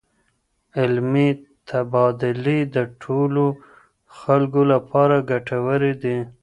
علمي تبادلې د ټولو خلکو لپاره ګټورې دي.